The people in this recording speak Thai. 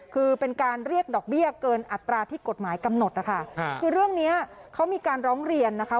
คือเป็นการเรียกดอกเบี้ยเกินอัตราที่กฎหมายกำหนดนะคะคือเรื่องเนี้ยเขามีการร้องเรียนนะคะ